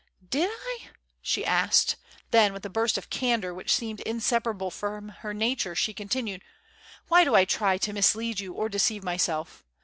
"Did I?" she asked; then with a burst of candour which seemed inseparable from her nature, she continued: "Why do I try to mislead you or deceive myself?